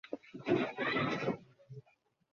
আজ আমার মেয়ের জন্মদিন।